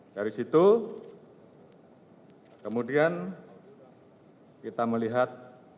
dari situ kemudian kita melihat